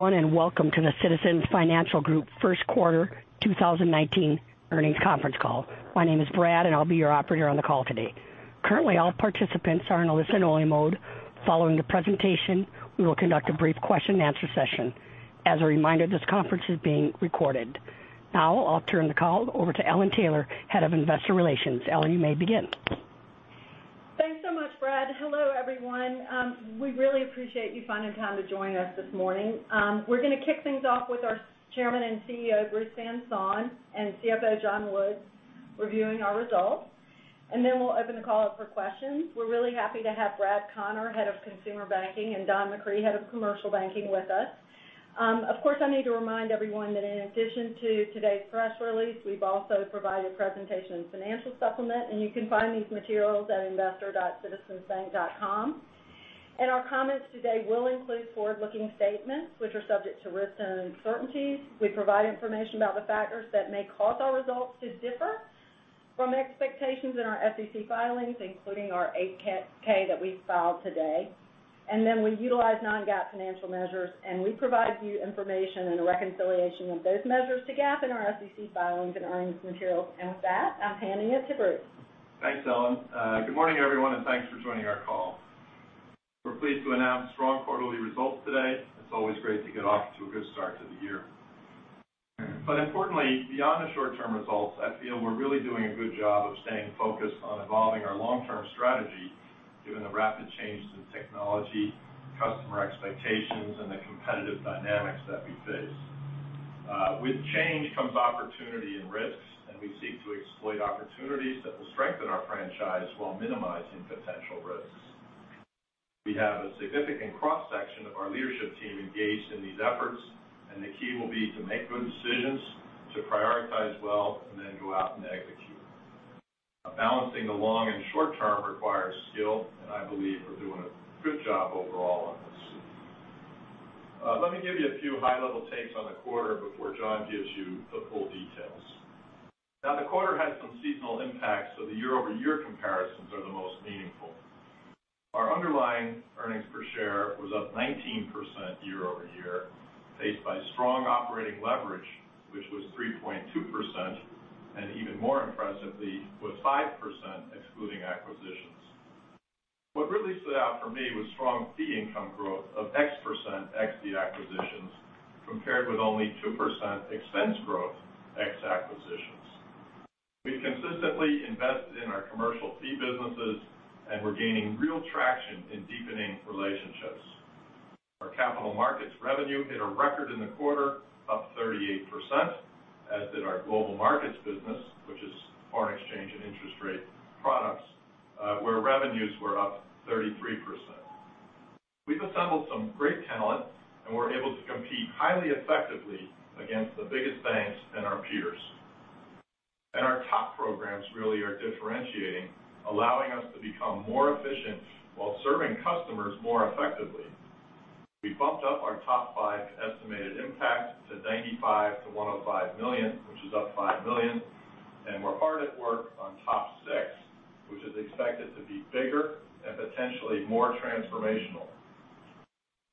Welcome to the Citizens Financial Group first quarter 2019 earnings conference call. My name is Brad, and I'll be your operator on the call today. Currently, all participants are in a listen-only mode. Following the presentation, we will conduct a brief question and answer session. As a reminder, this conference is being recorded. Now, I'll turn the call over to Ellen Taylor, Head of Investor Relations. Ellen, you may begin. Thanks so much, Brad. Hello, everyone. We really appreciate you finding time to join us this morning. We're going to kick things off with our Chairman and CEO, Bruce Van Saun, and CFO, John Woods, reviewing our results. Then we'll open the call up for questions. We're really happy to have Brad Conner, Head of Consumer Banking, and Don McCree, Head of Commercial Banking, with us. Of course, I need to remind everyone that in addition to today's press release, we've also provided a presentation and financial supplement, and you can find these materials at investor.citizensbank.com. Our comments today will include forward-looking statements, which are subject to risks and uncertainties. We provide information about the factors that may cause our results to differ from expectations in our SEC filings, including our 8-K that we filed today. We utilize non-GAAP financial measures, and we provide you information and a reconciliation of those measures to GAAP in our SEC filings and earnings materials. With that, I'm handing it to Bruce. Thanks, Ellen. Good morning, everyone, and thanks for joining our call. We're pleased to announce strong quarterly results today. It's always great to get off to a good start to the year. Importantly, beyond the short-term results, I feel we're really doing a good job of staying focused on evolving our long-term strategy given the rapid changes in technology, customer expectations, and the competitive dynamics that we face. With change comes opportunity and risks, and we seek to exploit opportunities that will strengthen our franchise while minimizing potential risks. We have a significant cross-section of our leadership team engaged in these efforts, and the key will be to make good decisions, to prioritize well, and then go out and execute. Balancing the long and short term requires skill, and I believe we're doing a good job overall on this. Let me give you a few high-level takes on the quarter before John gives you the full details. The quarter had some seasonal impacts, so the year-over-year comparisons are the most meaningful. Our underlying earnings per share was up 19% year-over-year, paced by strong operating leverage, which was 3.2%, and even more impressively, was 5% excluding acquisitions. What really stood out for me was strong fee income growth of x percent, ex the acquisitions, compared with only 2% expense growth, ex acquisitions. We've consistently invested in our commercial fee businesses, and we're gaining real traction in deepening relationships. Our capital markets revenue hit a record in the quarter, up 38%, as did our global markets business, which is foreign exchange and interest rate products, where revenues were up 33%. We've assembled some great talent, and we're able to compete highly effectively against the biggest banks and our peers. Our top programs really are differentiating, allowing us to become more efficient while serving customers more effectively. We bumped up our top five estimated impact to $95 million-$105 million, which is up $5 million, and we're hard at work on top six, which is expected to be bigger and potentially more transformational.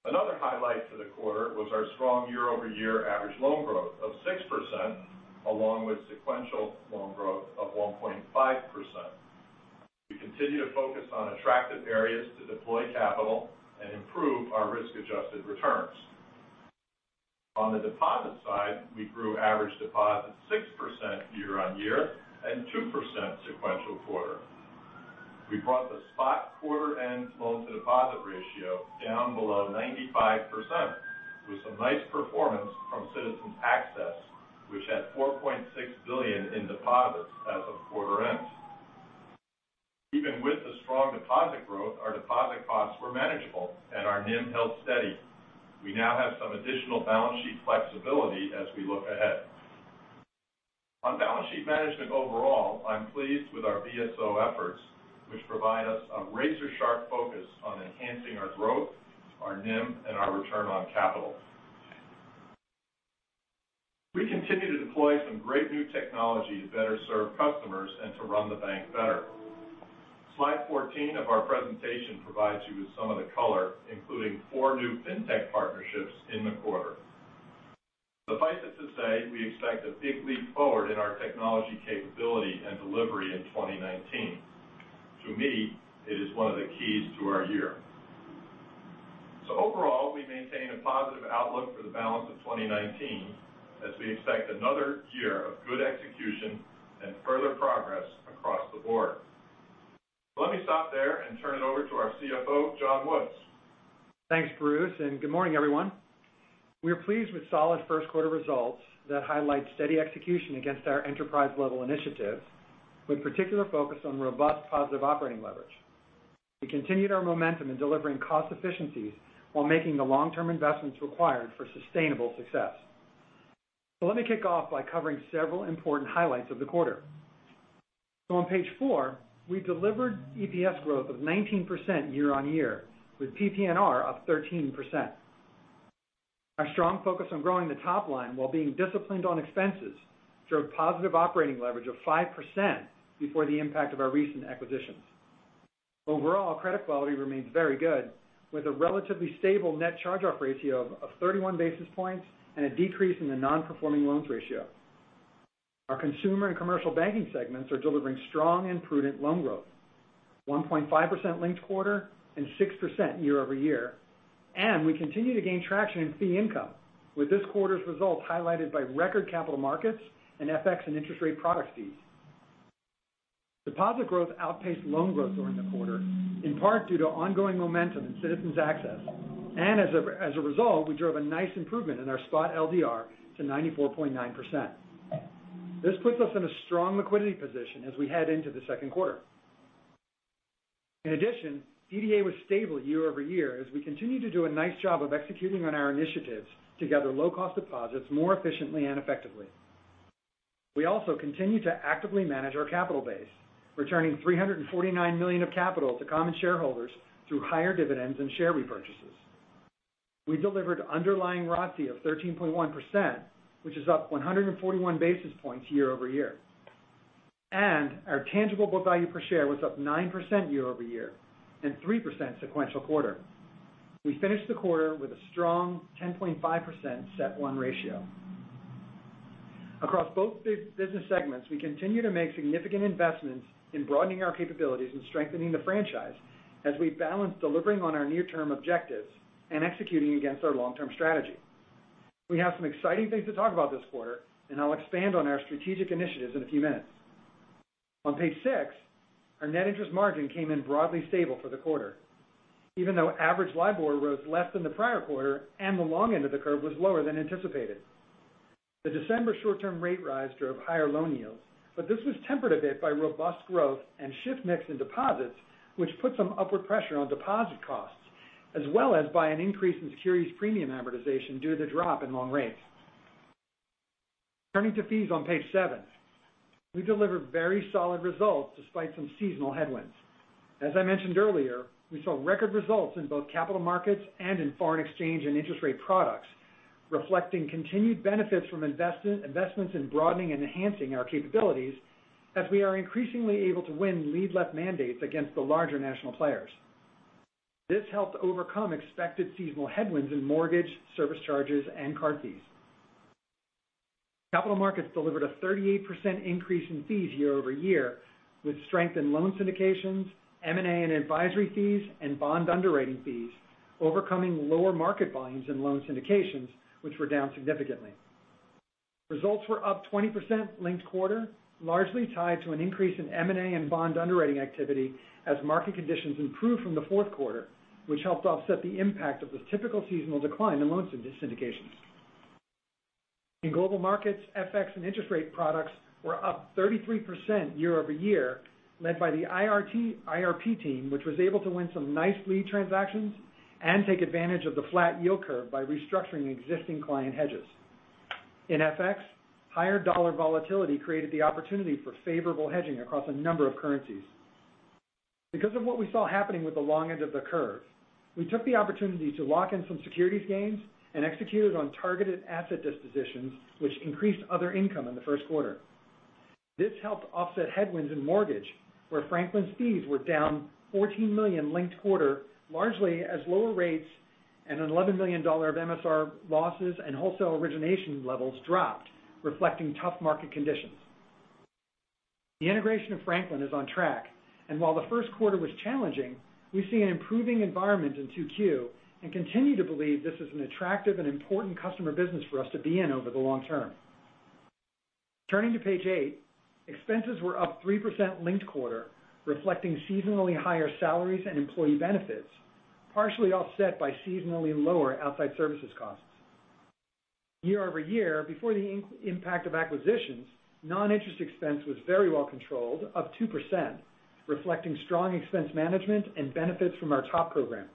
Another highlight for the quarter was our strong year-over-year average loan growth of 6%, along with sequential loan growth of 1.5%. We continue to focus on attractive areas to deploy capital and improve our risk-adjusted returns. On the deposit side, we grew average deposits 6% year-on-year and 2% sequential quarter. We brought the spot quarter-end loan-to-deposit ratio down below 95%, with some nice performance from Citizens Access, which had $4.6 billion in deposits as of quarter end. Even with the strong deposit growth, our deposit costs were manageable, and our NIM held steady. We now have some additional balance sheet flexibility as we look ahead. On balance sheet management overall, I'm pleased with our BSO efforts, which provide us a razor-sharp focus on enhancing our growth, our NIM, and our return on capital. We continue to deploy some great new technology to better serve customers and to run the bank better. Slide 14 of our presentation provides you with some of the color, including four new fintech partnerships in the quarter. Suffice it to say, we expect a big leap forward in our technology capability and delivery in 2019. To me, it is one of the keys to our year. Overall, we maintain a positive outlook for the balance of 2019 as we expect another year of good execution and further progress across the board. Let me stop there and turn it over to our CFO, John Woods. Thanks, Bruce, and good morning, everyone. We are pleased with solid first quarter results that highlight steady execution against our enterprise level initiatives, with particular focus on robust positive operating leverage. We continued our momentum in delivering cost efficiencies while making the long-term investments required for sustainable success. Let me kick off by covering several important highlights of the quarter. On page four, we delivered EPS growth of 19% year-on-year, with PPNR up 13%. Our strong focus on growing the top line while being disciplined on expenses drove positive operating leverage of 5% before the impact of our recent acquisitions. Overall, credit quality remains very good, with a relatively stable net charge-off ratio of 31 basis points and a decrease in the non-performing loans ratio. Our consumer and commercial banking segments are delivering strong and prudent loan growth, 1.5% linked quarter and 6% year-over-year. We continue to gain traction in fee income, with this quarter's results highlighted by record capital markets and FX and interest rate product fees. Deposit growth outpaced loan growth during the quarter, in part due to ongoing momentum in Citizens Access. As a result, we drove a nice improvement in our spot LDR to 94.9%. This puts us in a strong liquidity position as we head into the second quarter. In addition, DDA was stable year-over-year as we continue to do a nice job of executing on our initiatives to gather low-cost deposits more efficiently and effectively. We also continue to actively manage our capital base, returning $349 million of capital to common shareholders through higher dividends and share repurchases. We delivered underlying ROTCE of 13.1%, which is up 141 basis points year-over-year. Our tangible book value per share was up 9% year-over-year and 3% sequential quarter. We finished the quarter with a strong 10.5% CET1 ratio. Across both business segments, we continue to make significant investments in broadening our capabilities and strengthening the franchise as we balance delivering on our near-term objectives and executing against our long-term strategy. We have some exciting things to talk about this quarter, and I'll expand on our strategic initiatives in a few minutes. On page six, our net interest margin came in broadly stable for the quarter. Even though average LIBOR was less than the prior quarter and the long end of the curve was lower than anticipated. The December short-term rate rise drove higher loan yields, this was tempered a bit by robust growth and shift mix in deposits, which put some upward pressure on deposit costs, as well as by an increase in securities premium amortization due to the drop in long rates. Turning to fees on page seven. We delivered very solid results despite some seasonal headwinds. As I mentioned earlier, we saw record results in both capital markets and in foreign exchange and interest rate products, reflecting continued benefits from investments in broadening and enhancing our capabilities as we are increasingly able to win lead left mandates against the larger national players. This helped overcome expected seasonal headwinds in mortgage, service charges, and card fees. Capital markets delivered a 38% increase in fees year-over-year, with strength in loan syndications, M&A and advisory fees, and bond underwriting fees, overcoming lower market volumes in loan syndications, which were down significantly. Results were up 20% linked quarter, largely tied to an increase in M&A and bond underwriting activity as market conditions improved from the fourth quarter, which helped offset the impact of the typical seasonal decline in loan syndications. In global markets, FX and interest rate products were up 33% year-over-year, led by the IRP team, which was able to win some nice lead transactions and take advantage of the flat yield curve by restructuring existing client hedges. In FX, higher dollar volatility created the opportunity for favorable hedging across a number of currencies. Because of what we saw happening with the long end of the curve, we took the opportunity to lock in some securities gains and executed on targeted asset dispositions, which increased other income in the first quarter. This helped offset headwinds in mortgage, where Franklin's fees were down $14 million linked quarter, largely as lower rates and an $11 million of MSR losses and wholesale origination levels dropped, reflecting tough market conditions. The integration of Franklin is on track, and while the first quarter was challenging, we see an improving environment in 2Q and continue to believe this is an attractive and important customer business for us to be in over the long term. Turning to page eight, expenses were up 3% linked quarter, reflecting seasonally higher salaries and employee benefits, partially offset by seasonally lower outside services costs. Year-over-year, before the impact of acquisitions, non-interest expense was very well controlled, up 2%, reflecting strong expense management and benefits from our top program.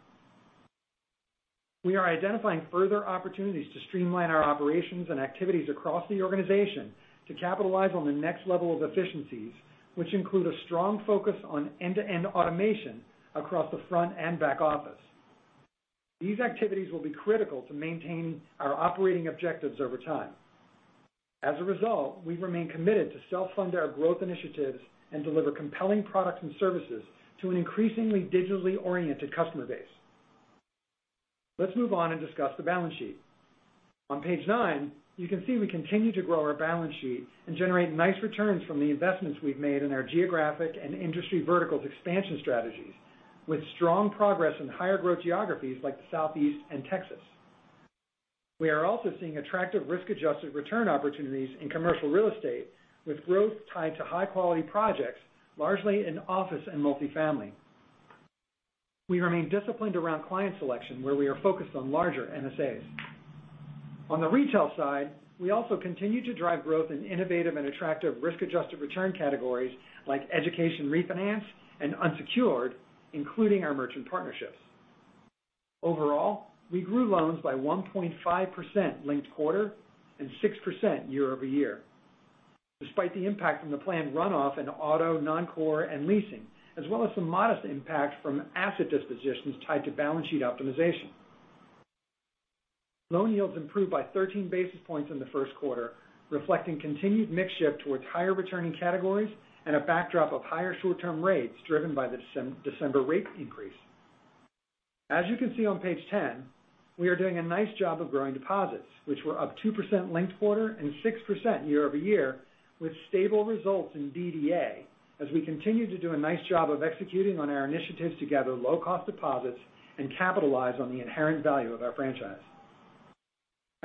We are identifying further opportunities to streamline our operations and activities across the organization to capitalize on the next level of efficiencies, which include a strong focus on end-to-end automation across the front and back office. These activities will be critical to maintain our operating objectives over time. We remain committed to self-fund our growth initiatives and deliver compelling products and services to an increasingly digitally oriented customer base. Let's move on and discuss the balance sheet. On page nine, you can see we continue to grow our balance sheet and generate nice returns from the investments we've made in our geographic and industry verticals expansion strategies with strong progress in higher growth geographies like the Southeast and Texas. We are also seeing attractive risk-adjusted return opportunities in commercial real estate with growth tied to high-quality projects, largely in office and multifamily. We remain disciplined around client selection, where we are focused on larger NSAs. On the retail side, we also continue to drive growth in innovative and attractive risk-adjusted return categories like education refinance and unsecured, including our merchant partnerships. Overall, we grew loans by 1.5% linked quarter and 6% year-over-year. Despite the impact from the planned runoff in auto, non-core, and leasing, as well as some modest impacts from asset dispositions tied to balance sheet optimization. Loan yields improved by 13 basis points in the first quarter, reflecting continued mix shift towards higher returning categories and a backdrop of higher short-term rates driven by the December rate increase. As you can see on page 10, we are doing a nice job of growing deposits, which were up 2% linked quarter and 6% year-over-year, with stable results in DDA as we continue to do a nice job of executing on our initiatives to gather low-cost deposits and capitalize on the inherent value of our franchise.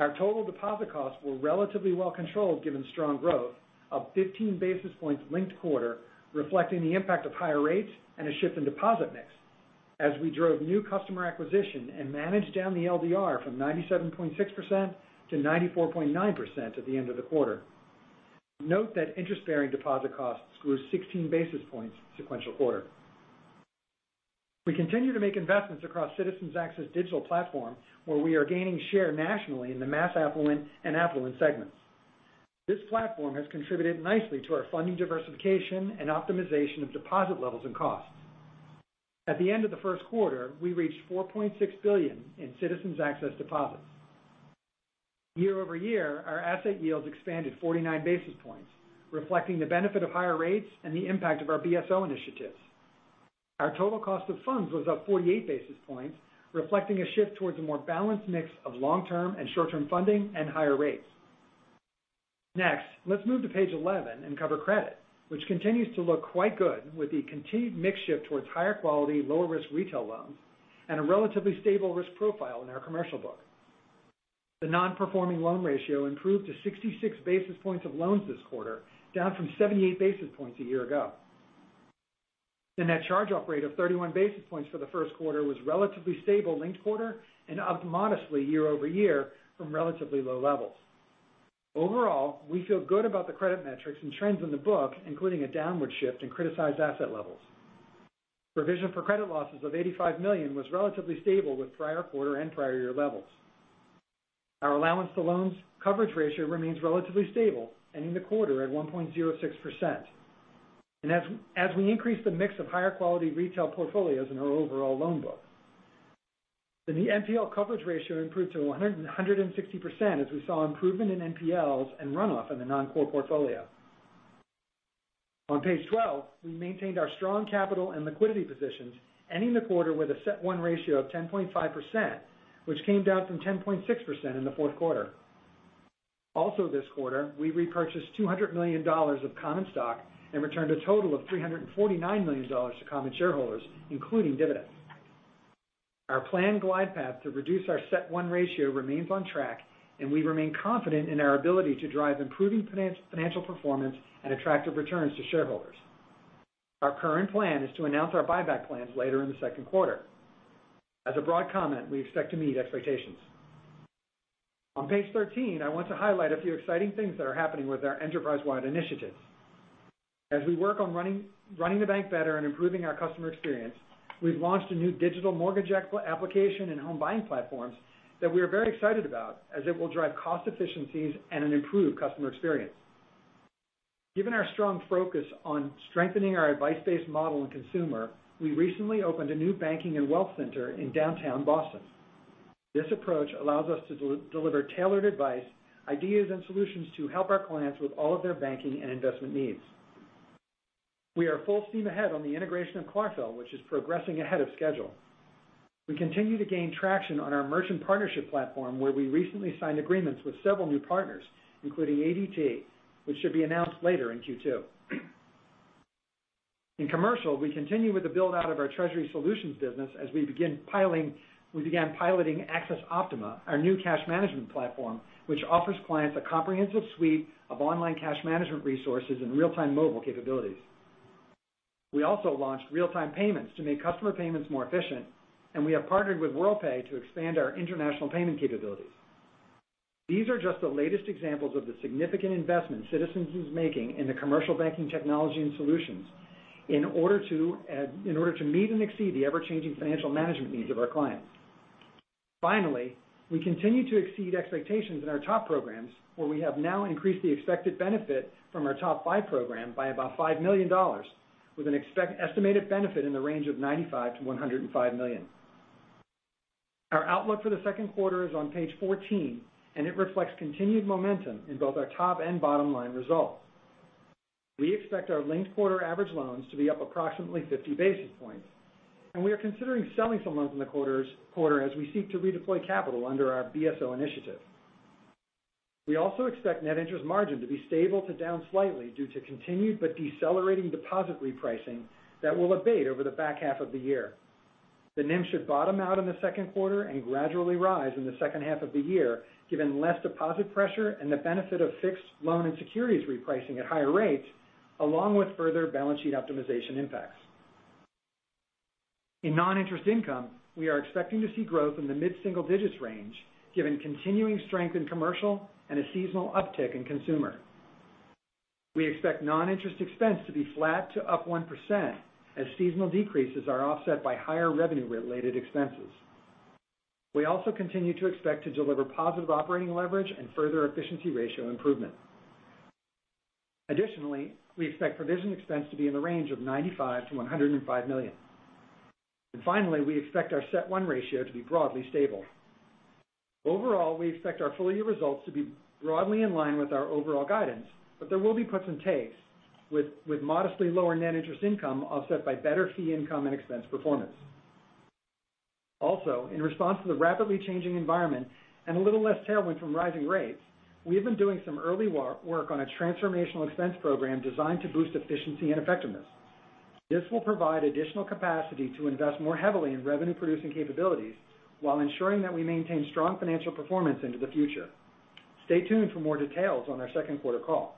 Our total deposit costs were relatively well controlled given strong growth, up 15 basis points linked quarter, reflecting the impact of higher rates and a shift in deposit mix as we drove new customer acquisition and managed down the LDR from 97.6% to 94.9% at the end of the quarter. Note that interest-bearing deposit costs grew 16 basis points sequential quarter. We continue to make investments across Citizens Access digital platform, where we are gaining share nationally in the mass affluent and affluent segments. This platform has contributed nicely to our funding diversification and optimization of deposit levels and costs. At the end of the first quarter, we reached $4.6 billion in Citizens Access deposits. Year-over-year, our asset yields expanded 49 basis points, reflecting the benefit of higher rates and the impact of our BSO initiatives. Our total cost of funds was up 48 basis points, reflecting a shift towards a more balanced mix of long-term and short-term funding and higher rates. Next, let's move to page 11 and cover credit, which continues to look quite good with the continued mix shift towards higher quality, lower risk retail loans and a relatively stable risk profile in our commercial book. The non-performing loan ratio improved to 66 basis points of loans this quarter, down from 78 basis points a year ago. The net charge-off rate of 31 basis points for the first quarter was relatively stable linked quarter and up modestly year-over-year from relatively low levels. Overall, we feel good about the credit metrics and trends in the book, including a downward shift in criticized asset levels. Provision for credit losses of $85 million was relatively stable with prior quarter and prior year levels. Our allowance to loans coverage ratio remains relatively stable, ending the quarter at 1.06%. As we increase the mix of higher quality retail portfolios in our overall loan book. The NPL coverage ratio improved to 160% as we saw improvement in NPLs and runoff in the non-core portfolio. On page 12, we maintained our strong capital and liquidity positions, ending the quarter with a CET1 ratio of 10.5%, which came down from 10.6% in the fourth quarter. Also this quarter, we repurchased $200 million of common stock and returned a total of $349 million to common shareholders, including dividends. Our planned glide path to reduce our CET1 ratio remains on track, and we remain confident in our ability to drive improving financial performance and attractive returns to shareholders. Our current plan is to announce our buyback plans later in the second quarter. As a broad comment, we expect to meet expectations. On page 13, I want to highlight a few exciting things that are happening with our enterprise-wide initiatives. As we work on running the bank better and improving our customer experience, we've launched a new digital mortgage application and home buying platforms that we are very excited about as it will drive cost efficiencies and an improved customer experience. Given our strong focus on strengthening our advice-based model in consumer, we recently opened a new banking and wealth center in downtown Boston. This approach allows us to deliver tailored advice, ideas, and solutions to help our clients with all of their banking and investment needs. We are full steam ahead on the integration of Clarfeld, which is progressing ahead of schedule. We continue to gain traction on our merchant partnership platform, where we recently signed agreements with several new partners, including ADT, which should be announced later in Q2. In commercial, we continue with the build-out of our treasury solutions business as we began piloting accessOptima, our new cash management platform, which offers clients a comprehensive suite of online cash management resources and real-time mobile capabilities. We also launched real-time payments to make customer payments more efficient. We have partnered with Worldpay to expand our international payment capabilities. These are just the latest examples of the significant investments Citizens is making in the commercial banking technology and solutions in order to meet and exceed the ever-changing financial management needs of our clients. Finally, we continue to exceed expectations in our top programs, where we have now increased the expected benefit from our top five program by about $5 million with an estimated benefit in the range of $95 million-$105 million. Our outlook for the second quarter is on page 14. It reflects continued momentum in both our top and bottom line results. We expect our linked quarter average loans to be up approximately 50 basis points. We are considering selling some loans in the quarter as we seek to redeploy capital under our BSO initiative. We also expect net interest margin to be stable to down slightly due to continued but decelerating deposit repricing that will abate over the back half of the year. The NIM should bottom out in the second quarter and gradually rise in the second half of the year, given less deposit pressure and the benefit of fixed loan and securities repricing at higher rates, along with further balance sheet optimization impacts. In non-interest income, we are expecting to see growth in the mid-single-digits range, given continuing strength in commercial and a seasonal uptick in consumer. We expect non-interest expense to be flat to up 1% as seasonal decreases are offset by higher revenue-related expenses. We also continue to expect to deliver positive operating leverage and further efficiency ratio improvement. Additionally, we expect provision expense to be in the range of $95 million-$105 million. Finally, we expect our CET1 ratio to be broadly stable. Overall, we expect our full-year results to be broadly in line with our overall guidance. There will be puts and takes with modestly lower net interest income offset by better fee income and expense performance. In response to the rapidly changing environment and a little less tailwind from rising rates, we have been doing some early work on a transformational expense program designed to boost efficiency and effectiveness. This will provide additional capacity to invest more heavily in revenue-producing capabilities while ensuring that we maintain strong financial performance into the future. Stay tuned for more details on our second quarter call.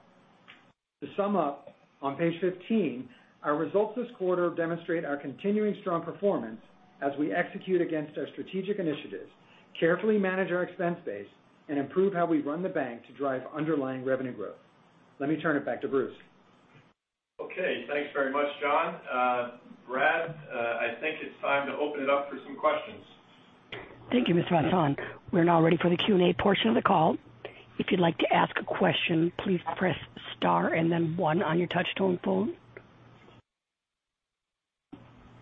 To sum up, on page 15, our results this quarter demonstrate our continuing strong performance as we execute against our strategic initiatives, carefully manage our expense base and improve how we run the bank to drive underlying revenue growth. Let me turn it back to Bruce. Okay. Thanks very much, John. Brad, I think it's time to open it up for some questions. Thank you, Mr. Van Saun. We're now ready for the Q&A portion of the call. If you'd like to ask a question, please press star and then one on your touch-tone phone.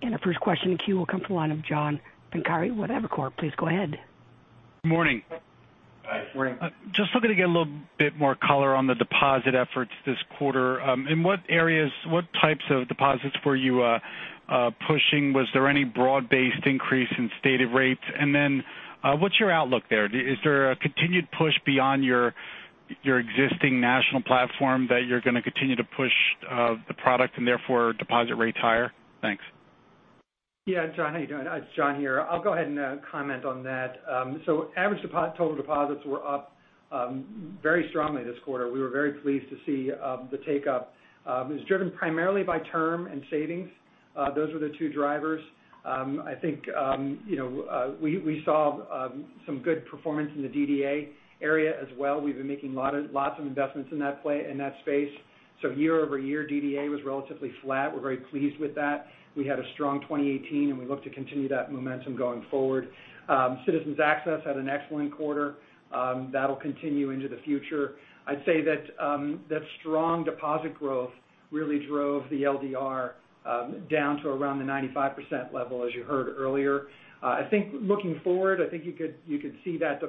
The first question in the queue will come from the line of John Pancari with Evercore. Please go ahead. Morning. Hi. Morning. Just looking to get a little bit more color on the deposit efforts this quarter. In what areas, what types of deposits were you pushing? Was there any broad-based increase in stated rates? What's your outlook there? Is there a continued push beyond your existing national platform that you're going to continue to push the product and therefore deposit rates higher? Thanks. Yeah. John, how you doing? It's John here. I'll go ahead and comment on that. Average total deposits were up very strongly this quarter. We were very pleased to see the take-up. It was driven primarily by term and savings. Those were the two drivers. I think we saw some good performance in the DDA area as well. We've been making lots of investments in that space. Year-over-year, DDA was relatively flat. We're very pleased with that. We had a strong 2018, and we look to continue that momentum going forward. Citizens Access had an excellent quarter. That'll continue into the future. I'd say that strong deposit growth really drove the LDR down to around the 95% level, as you heard earlier. I think looking forward, I think you could see that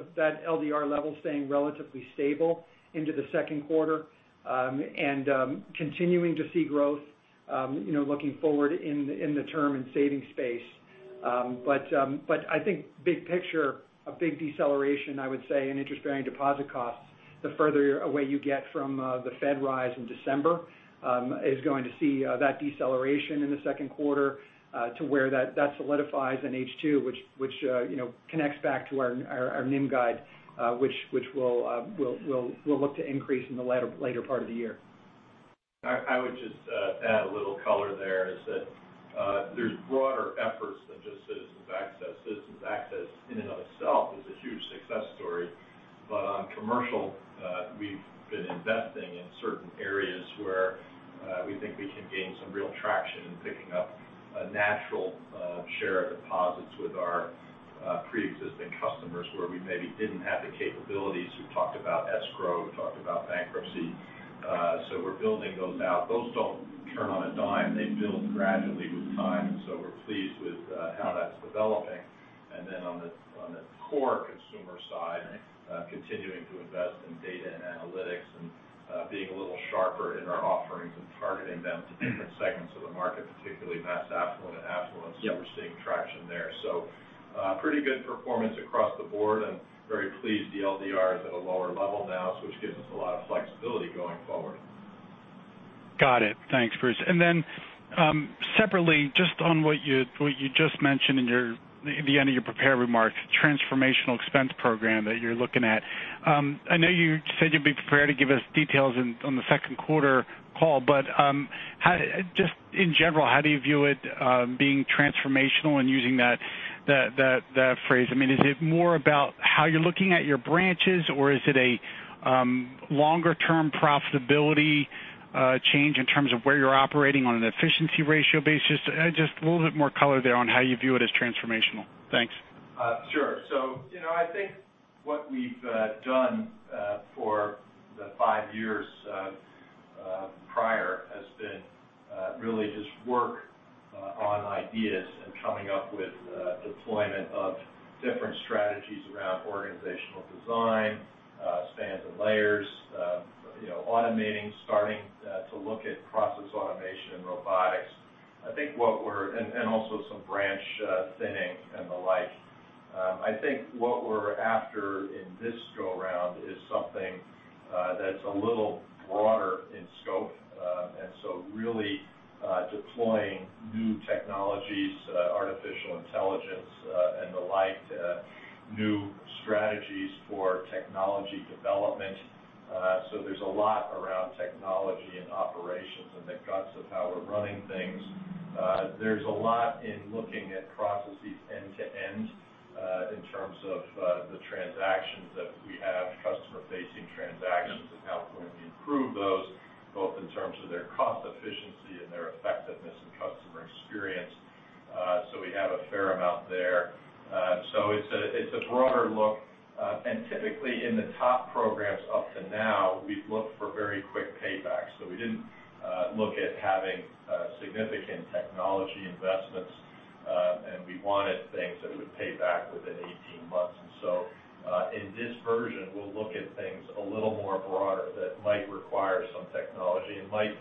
LDR level staying relatively stable into the second quarter and continuing to see growth looking forward in the term and savings space. I think big picture, a big deceleration, I would say, in interest-bearing deposit costs, the further away you get from the Fed rise in December is going to see that deceleration in the second quarter to where that solidifies in H2 which connects back to our NIM guide which we'll look to increase in the later part of the year. I would just add a little color there is that there's broader efforts than just Citizens Access. Citizens Access in and of itself is a huge success story. On commercial, we've been investing in certain areas where we think we can gain some real traction in picking up a natural share of deposits with our preexisting customers where we maybe didn't have the capabilities. We've talked about escrow, we've talked about bankruptcy. We're building those out. Those don't turn on a dime. They build gradually with time, we're pleased with how that's developing. On the core consumer side, continuing to invest in data and analytics and being a little sharper in our offerings and targeting them to different segments of the market, particularly mass affluent and affluents. Yep. We're seeing traction there. Pretty good performance across the board and very pleased the LDR is at a lower level now, which gives us a lot of flexibility going forward. Got it. Thanks, Bruce. Separately, just on what you just mentioned in the end of your prepared remarks, transformational expense program that you're looking at. I know you said you'd be prepared to give us details on the second quarter call, but just in general, how do you view it being transformational and using that phrase? Is it more about how you're looking at your branches, or is it a longer-term profitability change in terms of where you're operating on an efficiency ratio basis? Just a little bit more color there on how you view it as transformational. Thanks. Sure. I think what we've done for the five years prior has been really just work on ideas and coming up with deployment of different strategies around organizational design, spans and layers, automating, starting to look at process automation and robotics. Also some branch thinning and the like. I think what we're after in this go around is something that's a little broader in scope. Really deploying new technologies, artificial intelligence, and the like, new strategies for technology development. There's a lot around technology and operations and the guts of how we're running things. There's a lot in looking at processes end to end in terms of the transactions that we have, customer-facing transactions, and how can we improve those both in terms of their cost efficiency and their effectiveness and customer experience. We have a fair amount there. It's a broader look. Typically in the top programs up to now, we've looked for very quick payback. We didn't look at having significant technology investments, and we wanted things that would pay back within 18 months. In this version, we'll look at things a little more broader that might require some technology. It might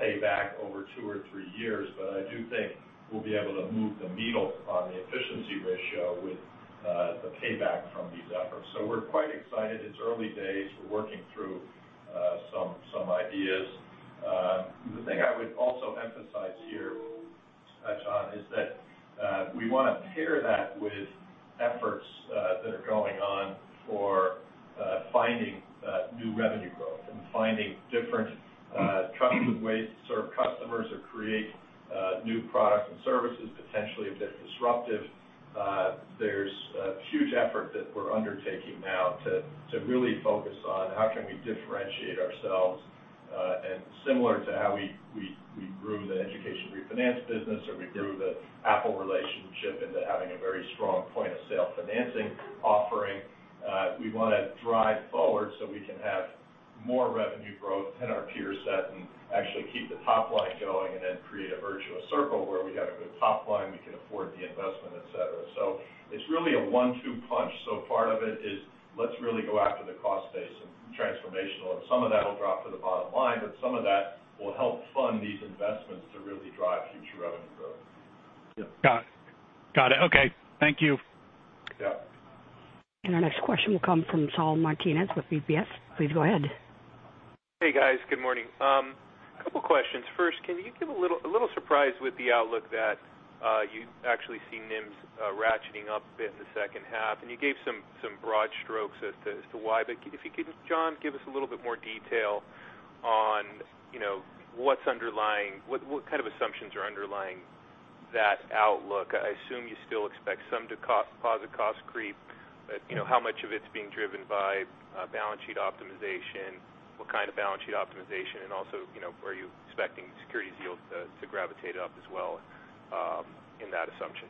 pay back over two or three years, but I do think we'll be able to move the needle on the efficiency ratio with the payback from these efforts. We're quite excited. It's early days. We're working through some ideas. The thing I would also emphasize here, John, is that we want to pair that with efforts that are going on for finding new revenue growth and finding different trusted ways to serve customers or create new products and services, potentially a bit disruptive. There's a huge effort that we're undertaking now to really focus on how can we differentiate ourselves. Similar to how we grew the education refinance business, or we grew the Apple relationship into having a very strong point of sale financing offering. We want to drive forward so we can have more revenue growth than our peer set and actually keep the top line going and then create a virtuous circle where we got a good top line, we can afford the investment, et cetera. It's really a one-two punch. Part of it is let's really go after the cost base and transformational, and some of that will drop to the bottom line, but some of that will help fund these investments to really drive future revenue growth. Got it. Okay. Thank you. Yeah. Our next question will come from Saul Martinez with UBS. Please go ahead. Hey, guys. Good morning. Couple questions. First, can you give a little surprise with the outlook that you actually see NIMs ratcheting up a bit in the second half, and you gave some broad strokes as to why, but if you could, John, give us a little bit more detail on what kind of assumptions are underlying that outlook. I assume you still expect some deposit cost creep, but how much of it's being driven by balance sheet optimization? What kind of balance sheet optimization, and also, are you expecting securities yields to gravitate up as well in that assumption?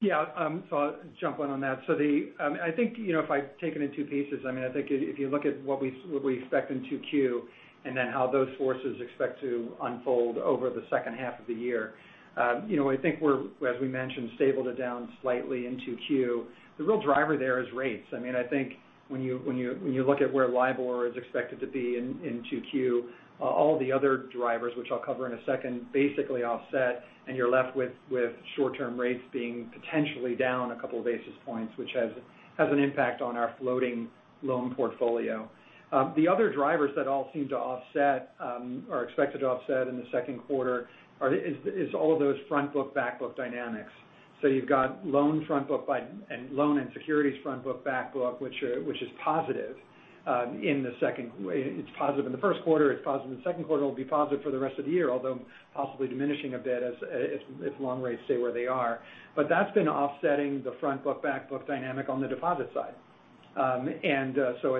Yeah. I'll jump in on that. I think if I take it in two pieces, I think if you look at what we expect in 2Q and then how those forces expect to unfold over the second half of the year. I think we're, as we mentioned, stabled it down slightly in 2Q. The real driver there is rates. I think when you look at where LIBOR is expected to be in 2Q, all the other drivers, which I'll cover in a second, basically offset, and you're left with short-term rates being potentially down a couple of basis points, which has an impact on our floating loan portfolio. The other drivers that all seem to offset or expected to offset in the second quarter is all of those front book/back book dynamics. You've got loan and securities front book/back book, which is positive in the first quarter, it's positive in the second quarter, and will be positive for the rest of the year, although possibly diminishing a bit if long rates stay where they are. That's been offsetting the front book/back book dynamic on the deposit side. I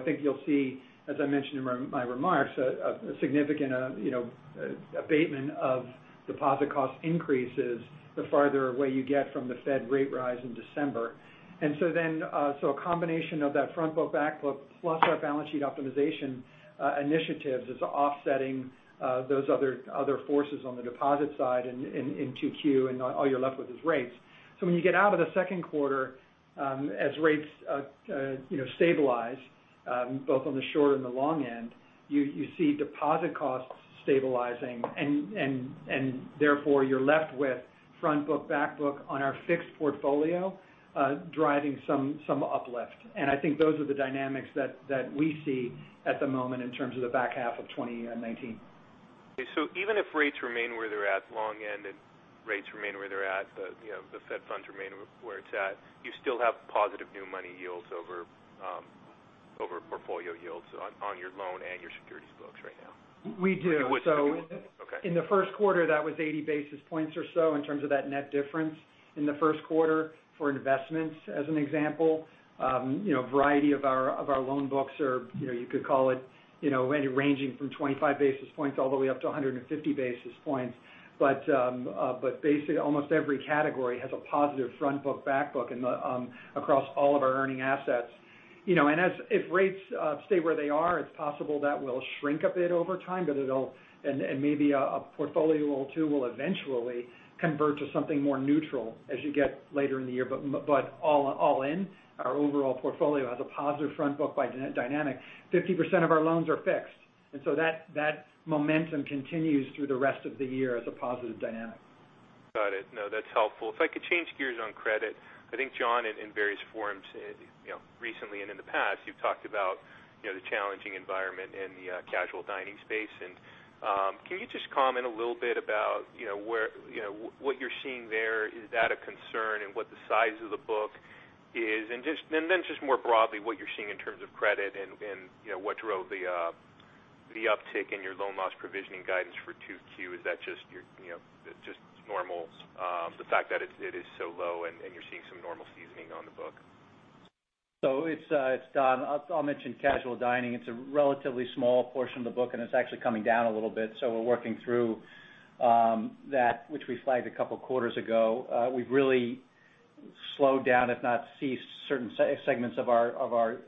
think you'll see, as I mentioned in my remarks, a significant abatement of deposit cost increases the farther away you get from the Fed rate rise in December. A combination of that front book/back book plus our balance sheet optimization initiatives is offsetting those other forces on the deposit side in 2Q, and all you're left with is rates. When you get out of the second quarter, as rates stabilize both on the short and the long end, you see deposit costs stabilizing and therefore you're left with front book/back book on our fixed portfolio driving some uplift. I think those are the dynamics that we see at the moment in terms of the back half of 2019. Okay. Even if rates remain where they're at the long end and rates remain where they're at, the Fed funds remain where it's at, you still have positive new money yields over portfolio yields on your loan and your securities books right now? We do. Okay. In the first quarter, that was 80 basis points or so in terms of that net difference in the first quarter for investments, as an example. A variety of our loan books are, you could call it, ranging from 25 basis points all the way up to 150 basis points. Basically, almost every category has a positive front book/back book across all of our earning assets. If rates stay where they are, it's possible that will shrink a bit over time, and maybe a portfolio too will eventually convert to something more neutral as you get later in the year. All in, our overall portfolio has a positive front book by dynamic. 50% of our loans are fixed, and so that momentum continues through the rest of the year as a positive dynamic. Got it. No, that's helpful. If I could change gears on credit. I think John, in various forums recently and in the past, you've talked about the challenging environment in the casual dining space. Can you just comment a little bit about what you're seeing there? Is that a concern and what the size of the book is? Then just more broadly, what you're seeing in terms of credit and what drove the uptick in your loan loss provisioning guidance for 2Q. Is that just normal, the fact that it is so low and you're seeing some normal seasoning on the book? It's done. I'll mention casual dining. It's a relatively small portion of the book, and it's actually coming down a little bit. We're working through that, which we flagged a couple of quarters ago. We've really slowed down, if not ceased certain segments of our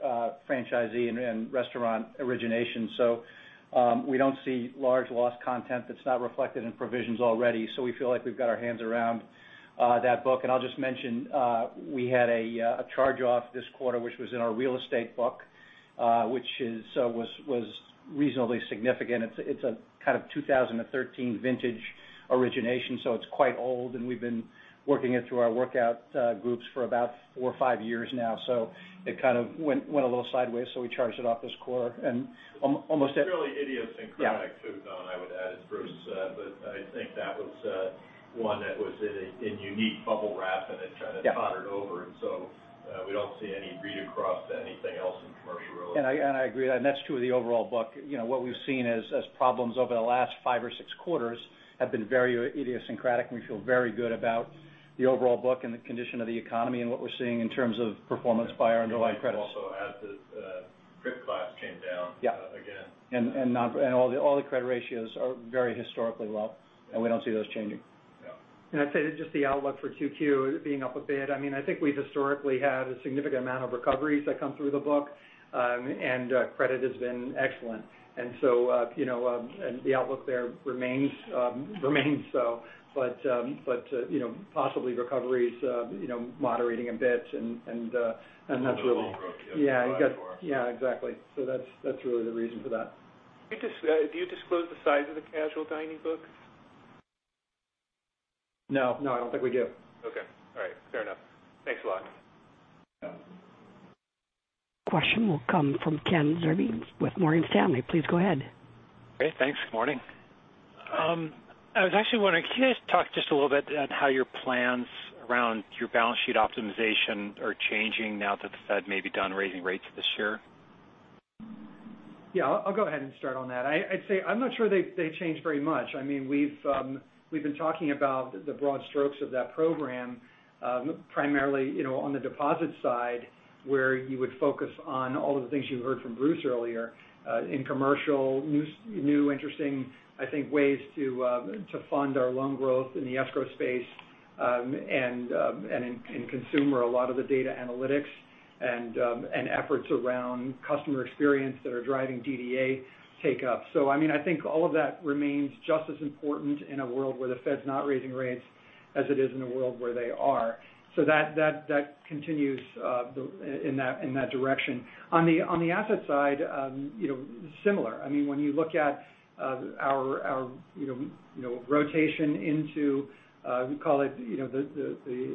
franchisee and restaurant origination. We don't see large loss content that's not reflected in provisions already. We feel like we've got our hands around that book. I'll just mention, we had a charge-off this quarter, which was in our real estate book, which was reasonably significant. It's a kind of 2013 vintage origination, so it's quite old, and we've been working it through our workout groups for about four or five years now. It kind of went a little sideways, so we charged it off this quarter. It's fairly idiosyncratic. Yeah too, Don, I would add as Bruce said. I think that was one that was in unique bubble wrap, and it. Yeah pottered over. We don't see any read across to anything else in commercial real estate. I agree. That's true of the overall book. What we've seen as problems over the last five or six quarters have been very idiosyncratic, and we feel very good about the overall book and the condition of the economy and what we're seeing in terms of performance by our underlying credits. Also as the credit class came down. Yeah again. All the credit ratios are very historically low, and we don't see those changing. Yeah. I'd say that just the outlook for 2Q being up a bit. I think we've historically had a significant amount of recoveries that come through the book, and credit has been excellent. The outlook there remains so. Possibly recoveries moderating a bit. On the loan book you have to apply for. Yeah, exactly. That's really the reason for that. Do you disclose the size of the casual dining book? No. No, I don't think we do. Okay. All right. Fair enough. Thanks a lot. Yeah. Question will come from Ken Zerbe with Morgan Stanley. Please go ahead. Great. Thanks. Good morning. I was actually wondering, can you guys talk just a little bit on how your plans around your balance sheet optimization are changing now that the Fed may be done raising rates this year? Yeah. I'll go ahead and start on that. I'd say I'm not sure they changed very much. We've been talking about the broad strokes of that program, primarily, on the deposit side, where you would focus on all of the things you heard from Bruce earlier, in commercial, new interesting ways to fund our loan growth in the escrow space. In consumer, a lot of the data analytics and efforts around customer experience that are driving DDA take up. I think all of that remains just as important in a world where the Fed's not raising rates as it is in a world where they are. That continues in that direction. On the asset side, similar. When you look at our rotation into, we call it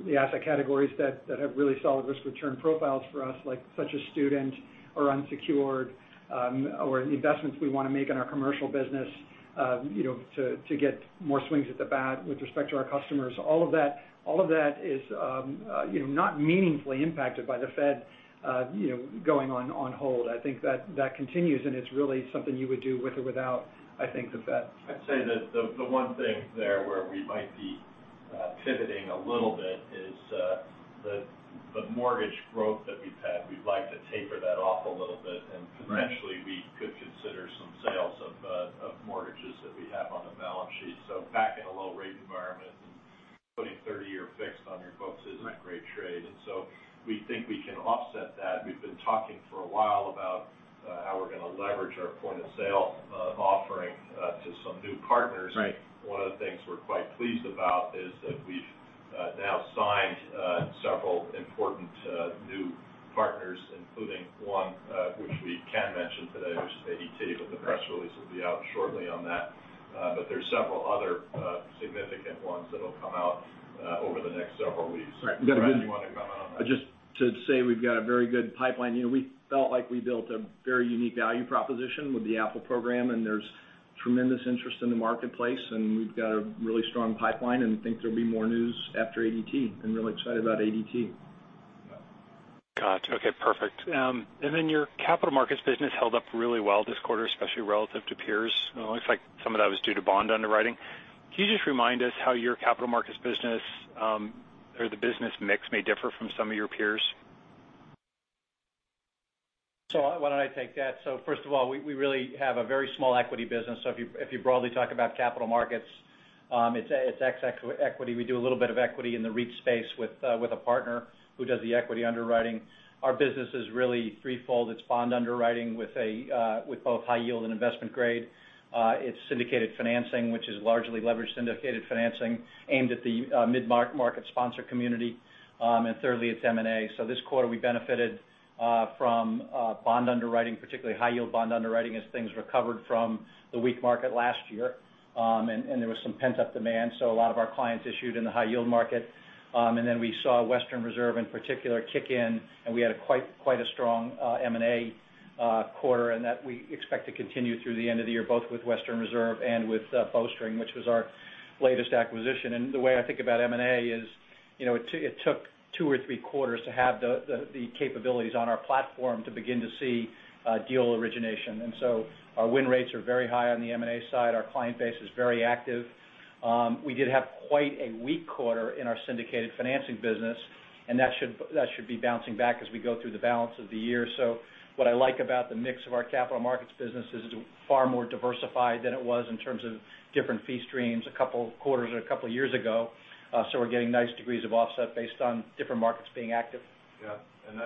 the asset categories that have really solid risk-return profiles for us, such as student or unsecured, or investments we want to make in our commercial business to get more swings at the bat with respect to our customers. All of that is not meaningfully impacted by the Fed going on hold. I think that continues, and it's really something you would do with or without the Fed. I'd say that the one thing there where we might be pivoting a little bit is the mortgage growth that we've had. We'd like to taper that off a little bit, and potentially we could consider some sales of mortgages that we have on the balance sheet. Back in a low rate environment and putting 30-year fixed on your books isn't Right a great trade. We think we can offset that. We've been talking for a while about how we're going to leverage our point of sale offering to some new partners. Right. One of the things we're quite pleased about is that we've now signed several important new partners, including one which we can mention today, which is ADT. The press release will be out shortly on that. There's several other significant ones that'll come out over the next several weeks. Right. Brad, you want to comment on that? Just to say we've got a very good pipeline. We felt like we built a very unique value proposition with the Apple program. There's tremendous interest in the marketplace. We've got a really strong pipeline and think there'll be more news after ADT. Really excited about ADT. Yeah. Got you. Okay, perfect. Your capital markets business held up really well this quarter, especially relative to peers. It looks like some of that was due to bond underwriting. Can you just remind us how your capital markets business or the business mix may differ from some of your peers? Why don't I take that? First of all, we really have a very small equity business. If you broadly talk about capital markets, it's equity. We do a little bit of equity in the REIT space with a partner who does the equity underwriting. Our business is really threefold. It's bond underwriting with both high yield and investment grade. It's syndicated financing, which is largely leveraged syndicated financing aimed at the mid-market sponsor community. Thirdly, it's M&A. This quarter, we benefited from bond underwriting, particularly high yield bond underwriting, as things recovered from the weak market last year. There was some pent-up demand, so a lot of our clients issued in the high yield market. We saw Western Reserve in particular kick in. We had quite a strong M&A quarter, and that we expect to continue through the end of the year, both with Western Reserve and with Bowstring, which was our latest acquisition. The way I think about M&A is it took two or three quarters to have the capabilities on our platform to begin to see deal origination. Our win rates are very high on the M&A side. Our client base is very active. We did have quite a weak quarter in our syndicated financing business, and that should be bouncing back as we go through the balance of the year. What I like about the mix of our capital markets business is it's far more diversified than it was in terms of different fee streams a couple of quarters or a couple of years ago. We're getting nice degrees of offset based on different markets being active. Yeah.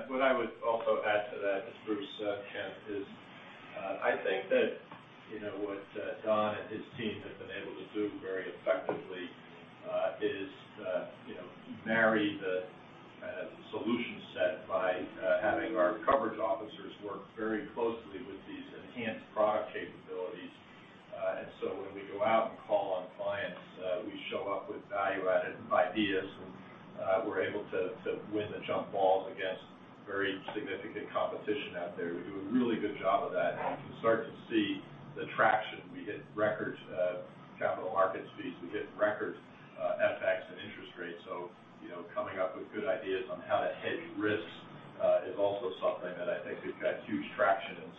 What I would also add if Bruce can't is I think that what Don and his team have been able to do very effectively is marry the solution set by having our coverage officers work very closely with these enhanced product capabilities. When we go out and call on clients, we show up with value-added ideas and we're able to win the jump balls against very significant competition out there. We do a really good job of that. You can start to see the traction. We hit record capital markets fees. We hit record FX and interest rates. Coming up with good ideas on how to hedge risks is also something that I think we've got huge traction in.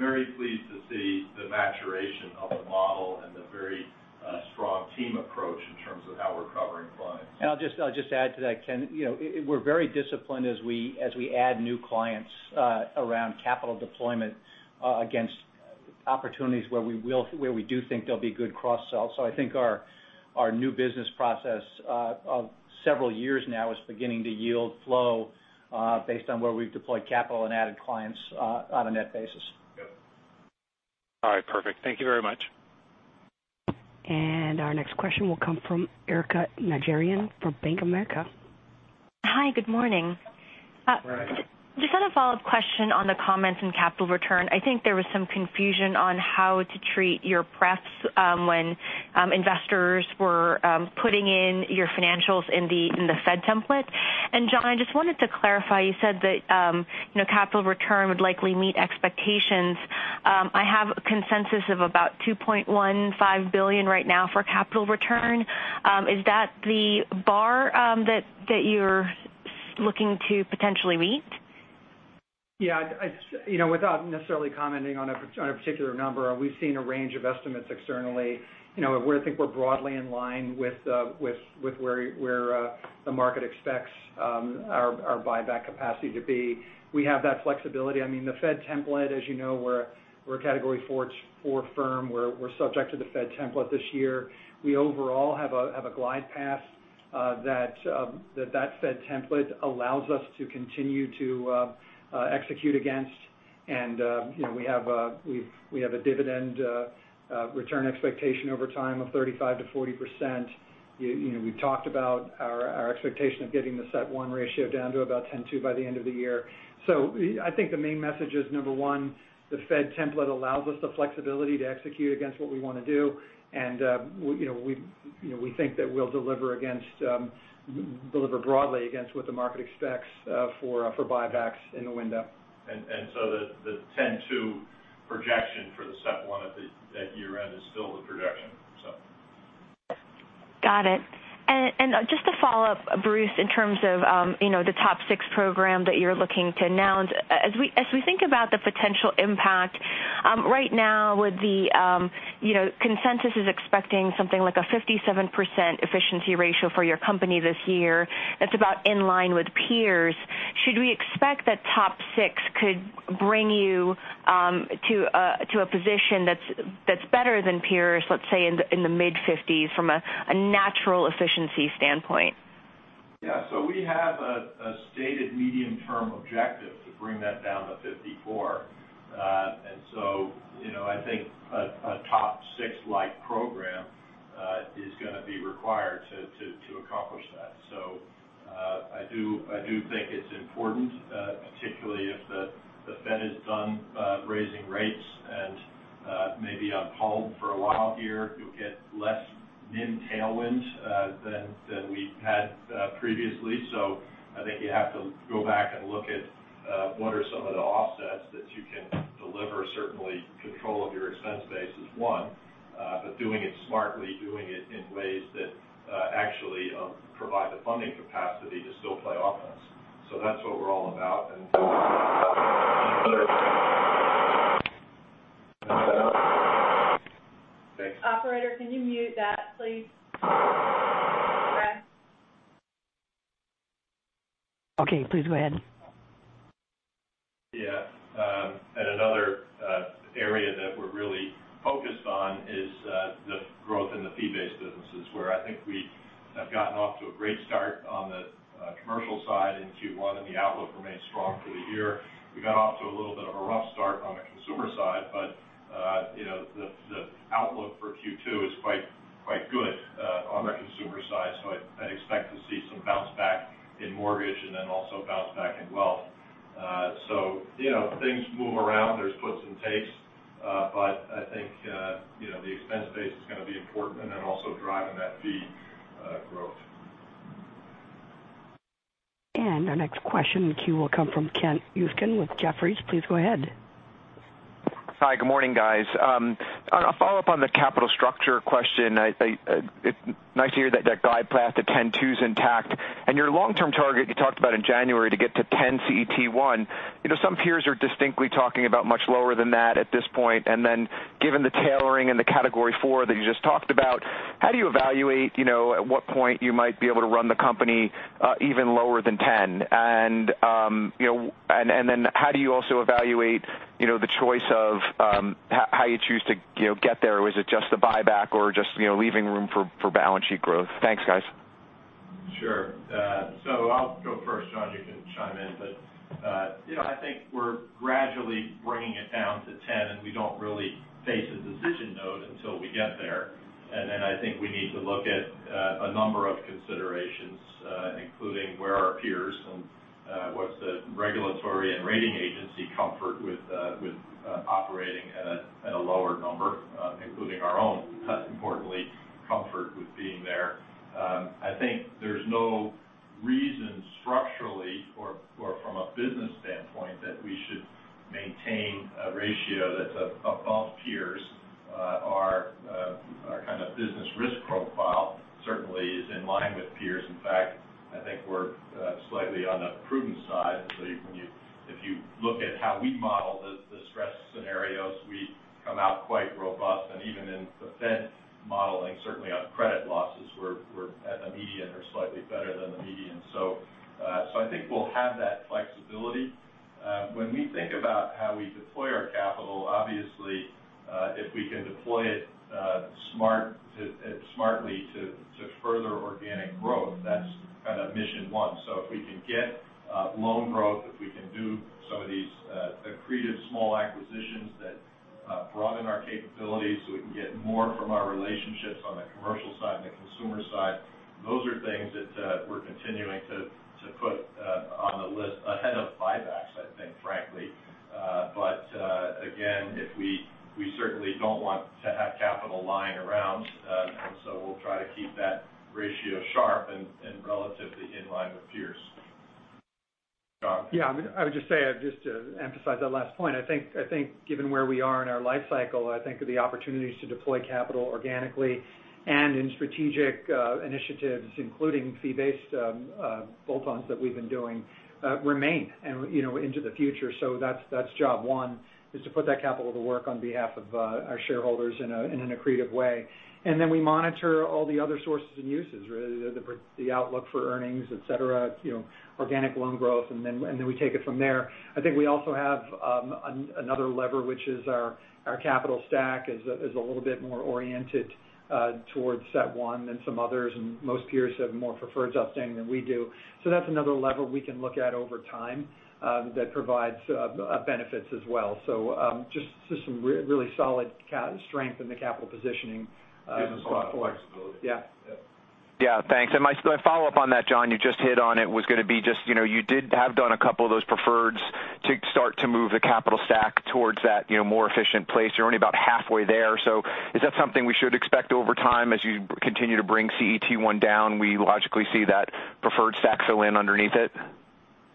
Very pleased to see the maturation of the model and the very strong team approach in terms of how we're covering clients. I'll just add to that, Ken. We're very disciplined as we add new clients around capital deployment against opportunities where we do think there'll be good cross sells. I think our new business process of several years now is beginning to yield flow based on where we've deployed capital and added clients on a net basis. Yep. All right. Perfect. Thank you very much. Our next question will come from Erika Najarian from Bank of America. Hi, good morning. Right. Just had a follow-up question on the comments in capital return. I think there was some confusion on how to treat your preferreds when investors were putting in your financials in the Fed template. John, just wanted to clarify, you said that capital return would likely meet expectations. I have a consensus of about $2.15 billion right now for capital return. Is that the bar that you're looking to potentially meet? Yeah. Without necessarily commenting on a particular number, we've seen a range of estimates externally. I think we're broadly in line with where the market expects our buyback capacity to be. We have that flexibility. The Fed template, as you know, we're a Category IV firm. We're subject to the Fed template this year. We overall have a glide path that that Fed template allows us to continue to execute against. We have a dividend return expectation over time of 35%-40%. We've talked about our expectation of getting the CET1 ratio down to about 10.2% by the end of the year. I think the main message is, number one, the Fed template allows us the flexibility to execute against what we want to do. We think that we'll deliver broadly against what the market expects for buybacks in the window. The 10.2 projection for the CET1 at year-end is still the projection. Got it. Just to follow up, Bruce, in terms of the Top Six Program that you're looking to announce, as we think about the potential impact right now with the consensus is expecting something like a 57% efficiency ratio for your company this year. That's about in line with peers. Should we expect that Top Six could bring you to a position that's better than peers, let's say in the mid 50s from a natural efficiency standpoint? Yeah. We have a stated medium-term objective to bring that down to 54. I think a Top Six like program is going to be required to accomplish that. I do think it's important, particularly if the Fed is done raising rates and may be on hold for a while here, you'll get less NIM tailwind than we've had previously. I think you have to go back and look at what are some of the offsets that you can deliver. Certainly control of your expense base is one. Doing it smartly, doing it in ways that actually provide the funding capacity to still play offense. That's what we're all about. Thanks. Operator, can you mute that please? Sure. Okay, please go ahead. Yeah. Another area that we're really focused on is the growth in the fee-based businesses, where I think we have gotten off to a great start on the commercial side in Q1, and the outlook remains strong for the year. We got off to a little bit of a rough start on the consumer side, but the outlook for Q2 is quite good on the consumer side. I expect to see some bounce back in mortgage and then also bounce back in wealth. Things move around. There's puts and takes. I think the expense base is going to be important and then also driving that fee growth. Our next question in the queue will come from Ken Usdin with Jefferies. Please go ahead. Hi, good morning, guys. A follow-up on the capital structure question. It's nice to hear that that glide path to 10.2 is intact. Your long-term target you talked about in January to get to 10 CET1. Some peers are distinctly talking about much lower than that at this point. Given the tailoring and the Category IV that you just talked about, how do you evaluate at what point you might be able to run the company even lower than 10? And then how do you also evaluate the choice of how you choose to get there? Was it just the buyback or just leaving room for balance sheet growth? Thanks, guys. Sure. I'll go first, John, you can chime in. I think we're gradually bringing it down to 10, and we don't really face a decision node until we get there. I think we need to look at a number of considerations, including where are our peers and what's the regulatory and rating agency comfort with operating at a lower number including our own, importantly, comfort with being there. I think there's no reason structurally or from a business standpoint that we should maintain a ratio that's above peers. Our kind of business risk profile certainly is in line with peers. In fact, I think we're slightly on the prudent side. If you look at how we model the stress scenarios, we come out quite robust. Even in the Fed modeling, certainly on credit losses, we're at the median or slightly better than the median. I think we'll have that flexibility. When we think about how we deploy our capital, obviously, if we can deploy it smartly to further organic growth, that's kind of mission one. If we can get loan growth, if we can do some of these accretive small acquisitions that broaden our capabilities so we can get more from our relationships on the commercial side and the consumer side, those are things that we're continuing to put on the list ahead of buybacks, I think, frankly. Again, we certainly don't want to have capital lying around. We'll try to keep that ratio sharp and relatively in line with peers. John? I would just say, just to emphasize that last point, I think given where we are in our life cycle, I think that the opportunities to deploy capital organically and in strategic initiatives, including fee-based bolt-ons that we've been doing, remain into the future. That's job one, is to put that capital to work on behalf of our shareholders in an accretive way. We monitor all the other sources and uses, the outlook for earnings, et cetera, organic loan growth, and then we take it from there. I think we also have another lever, which is our capital stack is a little bit more oriented towards that one than some others, and most peers have more preferreds outstanding than we do. That's another lever we can look at over time that provides benefits as well. Just some really solid strength in the capital positioning platform. Give us a lot of flexibility. Yeah. Yeah. Yeah, thanks. My follow-up on that, John, you just hit on it was going to be just, you did have done a couple of those preferreds to start to move the capital stack towards that more efficient place. You're only about halfway there. Is that something we should expect over time as you continue to bring CET1 down, we logically see that preferred stack fill in underneath it?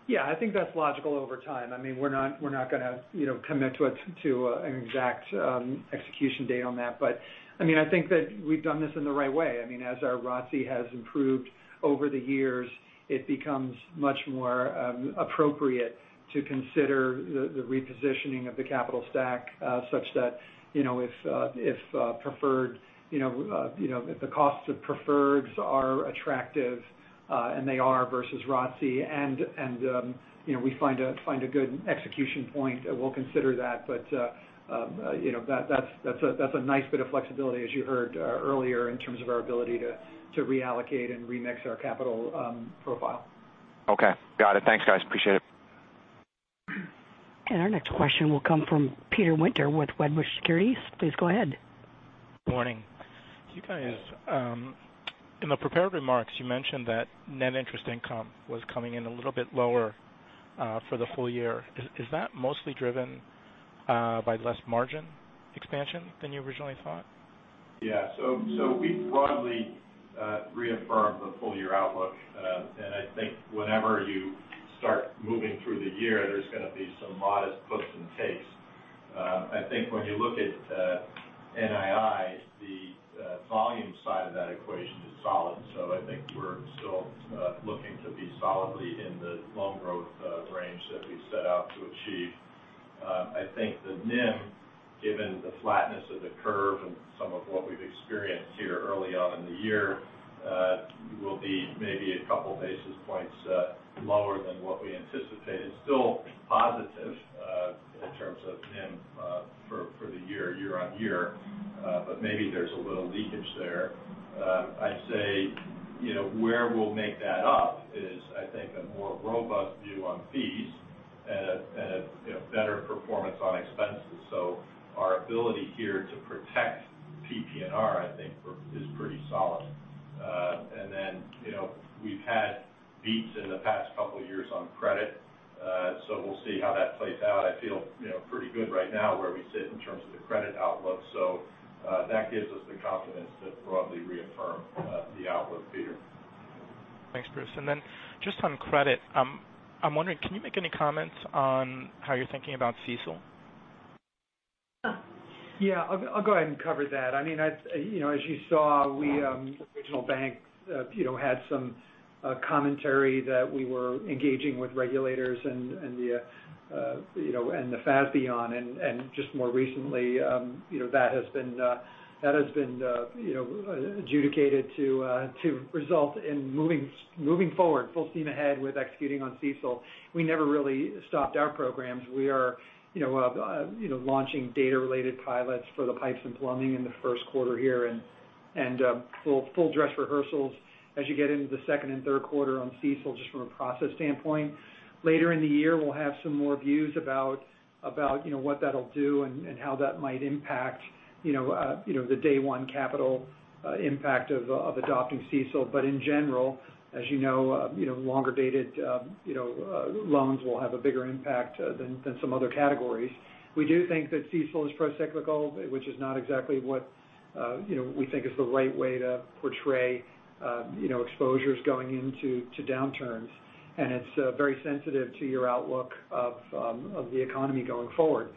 Yeah, I think that's logical over time. We're not going to commit to an exact execution date on that. I think that we've done this in the right way. As our ROTCE has improved over the years, it becomes much more appropriate to consider the repositioning of the capital stack such that if the costs of preferreds are attractive, and they are versus ROTCE, and we find a good execution point, we'll consider that. That's a nice bit of flexibility, as you heard earlier in terms of our ability to reallocate and remix our capital profile. Okay. Got it. Thanks, guys. Appreciate it. Our next question will come from Peter Winter with Wedbush Securities. Please go ahead. Morning. In the prepared remarks, you mentioned that net interest income was coming in a little bit lower for the full year. Is that mostly driven by less margin expansion than you originally thought? Yeah. We broadly reaffirmed the full-year outlook. I think whenever you start moving through the year, there's going to be some modest gives and takes. I think when you look at NII, the volume side of that equation is solid. I think we're still looking to be solidly in the loan growth range that we set out to achieve. I think the NIM, given the flatness of the curve and some of what we've experienced here early on in the year will be maybe a couple basis points lower than what we anticipated. Still positive in terms of NIM for the year-on-year but maybe there's a little leakage there. I'd say where we'll make that up is, I think, a more robust view on fees and a better performance on expenses. Our ability here to protect PPNR, I think, is pretty solid. We've had beats in the past couple of years on credit. We'll see how that plays out. I feel pretty good right now where we sit in terms of the credit outlook. That gives us the confidence to broadly reaffirm the outlook, Peter. Thanks, Bruce. Just on credit, I'm wondering, can you make any comments on how you're thinking about CECL? Yeah. I'll go ahead and cover that. As you saw, Regional Bank had some commentary that we were engaging with regulators and the FASB on. Just more recently that has been adjudicated to result in moving forward full steam ahead with executing on CECL. We never really stopped our programs. We are launching data-related pilots for the pipes and plumbing in the first quarter here and Full dress rehearsals as you get into the second and third quarter on CECL, just from a process standpoint. Later in the year, we'll have some more views about what that'll do and how that might impact the day one capital impact of adopting CECL. In general, as you know, longer dated loans will have a bigger impact than some other categories. We do think that CECL is procyclical, which is not exactly what we think is the right way to portray exposures going into downturns. It's very sensitive to your outlook of the economy going forward.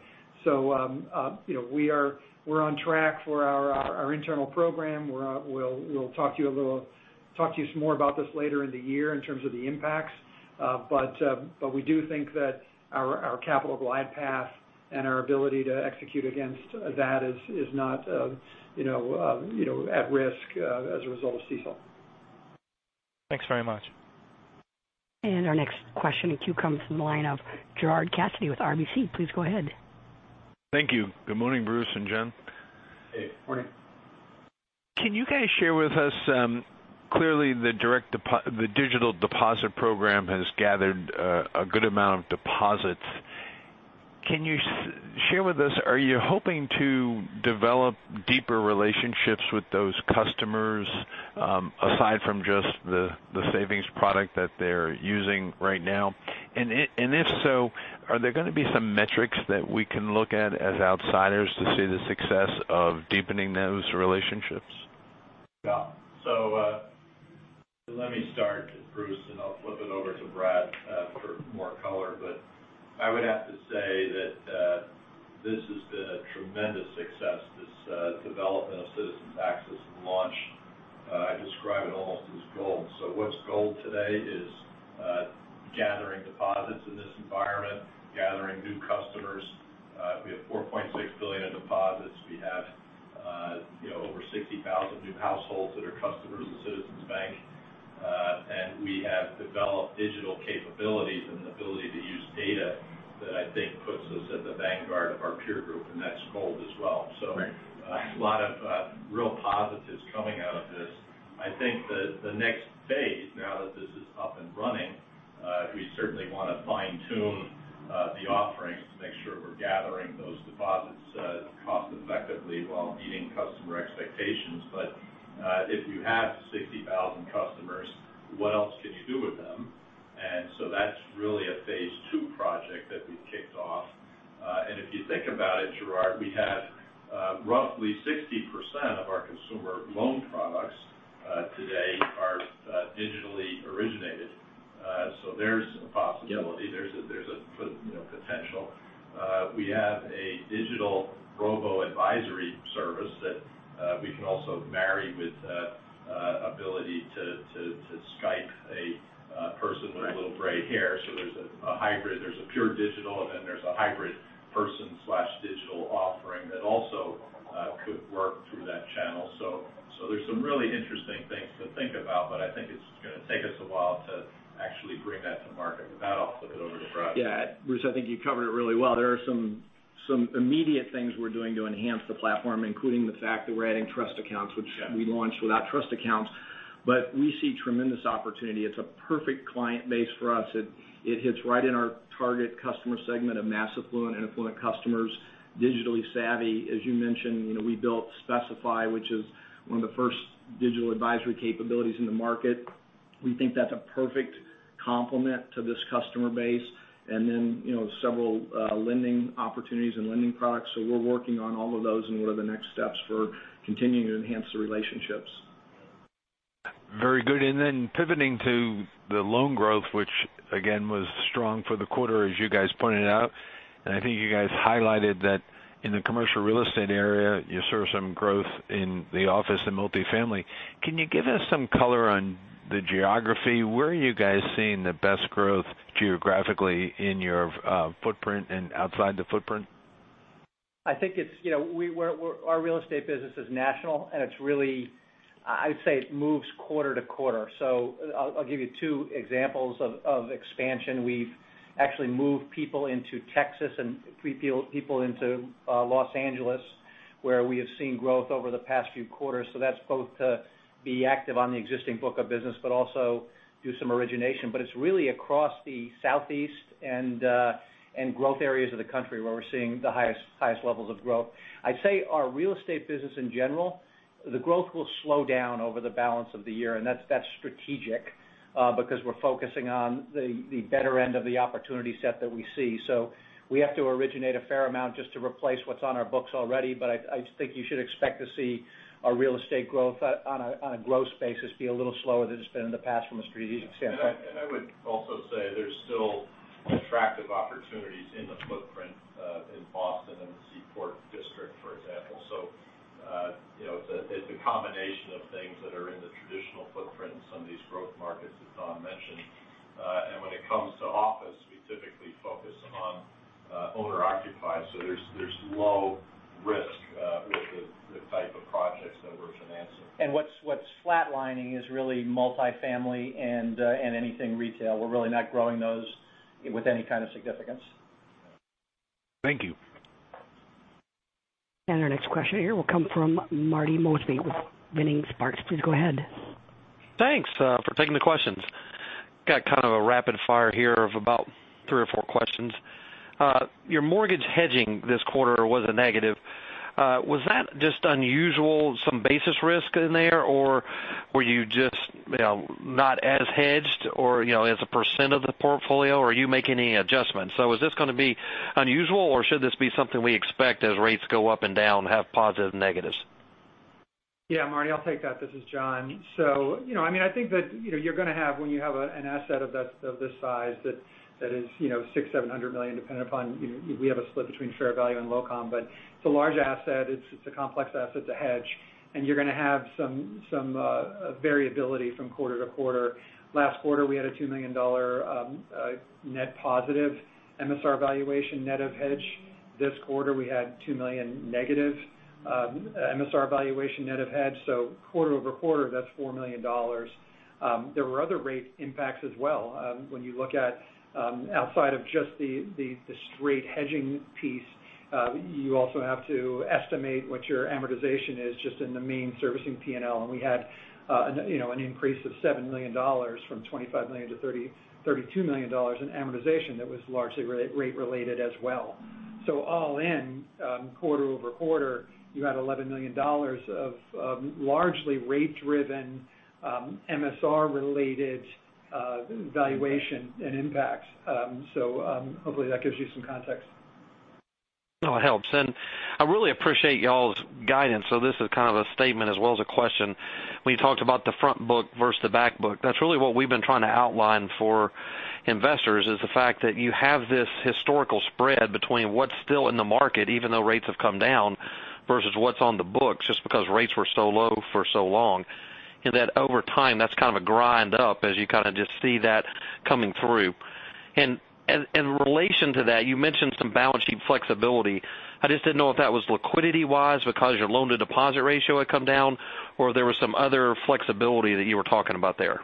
We're on track for our internal program. We'll talk to you some more about this later in the year in terms of the impacts. We do think that our capital glide path and our ability to execute against that is not at risk as a result of CECL. Thanks very much. Our next question in queue comes from the line of Gerard Cassidy with RBC. Please go ahead. Thank you. Good morning, Bruce and John. Hey. Morning. Can you guys share with us, clearly the digital deposit program has gathered a good amount of deposits. Can you share with us, are you hoping to develop deeper relationships with those customers, aside from just the savings product that they're using right now? If so, are there going to be some metrics that we can look at as outsiders to see the success of deepening those relationships? Yeah. Let me start, Bruce, and I'll flip it over to Brad for more color. I would have to say that this has been a tremendous success, this development of Citizens Access and launch. I describe it almost as gold. What's gold today is gathering deposits in this environment, gathering new customers. We have $4.6 billion of deposits. We have over 60,000 new households that are customers of Citizens Bank. We have developed digital capabilities and the ability to use data that I think puts us at the vanguard of our peer group, and that's gold as well. Right A lot of real positives coming out of this. I think that the next phase, now that this is up and running, we certainly want to fine-tune the offerings to make sure we're gathering those deposits cost-effectively while meeting customer expectations. If you have 60,000 customers, what else can you do with them? That's really a phase 2 project that we've kicked off. If you think about it, Gerard, we have roughly 60% of our consumer loan products today are digitally originated. There's a possibility. There's a potential. We have a digital robo advisory service that we can also marry with ability to Skype a person with a little gray hair. There's a pure digital, and then there's a hybrid person/digital offering that also could work through that channel. There's some really interesting things to think about, but I think it's going to take us a while to actually bring that to market. With that, I'll flip it over to Brad. Bruce, I think you covered it really well. There are some immediate things we're doing to enhance the platform, including the fact that we're adding trust accounts, which we launched without trust accounts. We see tremendous opportunity. It's a perfect client base for us. It hits right in our target customer segment of mass affluent and affluent customers, digitally savvy. As you mentioned, we built SpeciFi, which is one of the first digital advisory capabilities in the market. We think that's a perfect complement to this customer base. Several lending opportunities and lending products. We're working on all of those and what are the next steps for continuing to enhance the relationships. Very good. Pivoting to the loan growth, which again was strong for the quarter as you guys pointed out. I think you guys highlighted that in the commercial real estate area, you saw some growth in the office and multifamily. Can you give us some color on the geography? Where are you guys seeing the best growth geographically in your footprint and outside the footprint? Our real estate business is national, and I would say it moves quarter-to-quarter. I'll give you two examples of expansion. We've actually moved people into Texas and people into Los Angeles, where we have seen growth over the past few quarters. That's both to be active on the existing book of business, but also do some origination. It's really across the southeast and growth areas of the country where we're seeing the highest levels of growth. I'd say our real estate business in general, the growth will slow down over the balance of the year, and that's strategic because we're focusing on the better end of the opportunity set that we see. We have to originate a fair amount just to replace what's on our books already. I think you should expect to see our real estate growth on a growth basis be a little slower than it's been in the past from a strategic standpoint. I would also say there's still attractive opportunities in the footprint in Boston and the Seaport District, for example. It's a combination of things that are in the traditional footprint in some of these growth markets as Don mentioned. When it comes to office, we typically focus on owner-occupied. There's low risk with the type of projects that we're financing. What's flatlining is really multifamily and anything retail. We're really not growing those with any kind of significance. Thank you. Our next question here will come from Marty Mosby with Vining Sparks. Please go ahead. Thanks for taking the questions. Got kind of a rapid fire here of about three or four questions. Your mortgage hedging this quarter was a negative. Was that just unusual, some basis risk in there, or were you just not as hedged or as a percent of the portfolio? Are you making any adjustments? Is this going to be unusual, or should this be something we expect as rates go up and down, have positive negatives? Yeah, Marty, I'll take that. This is John. I think that you're going to have, when you have an asset of this size that is $600 million, $700 million. We have a split between fair value and LOCOM, but it's a large asset. It's a complex asset to hedge, and you're going to have some variability from quarter to quarter. Last quarter, we had a $2 million net positive MSR valuation net of hedge. This quarter, we had $2 million negative MSR valuation net of hedge, so quarter over quarter, that's $4 million. There were other rate impacts as well. When you look at outside of just the straight hedging piece, you also have to estimate what your amortization is just in the main servicing P&L. We had an increase of $7 million from $25 million to $32 million in amortization that was largely rate related as well. All in, quarter-over-quarter, you had $11 million of largely rate-driven, MSR-related valuation and impacts. Hopefully that gives you some context. No, it helps. I really appreciate y'all's guidance. This is kind of a statement as well as a question. When you talked about the front book versus the back book, that's really what we've been trying to outline for investors is the fact that you have this historical spread between what's still in the market, even though rates have come down, versus what's on the books just because rates were so low for so long. That over time, that's kind of a grind up as you kind of just see that coming through. In relation to that, you mentioned some balance sheet flexibility. I just didn't know if that was liquidity-wise because your loan-to-deposit ratio had come down or there was some other flexibility that you were talking about there.